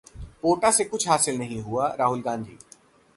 पोटा से कुछ हासिल नहीं हुआ: राहुल गांधी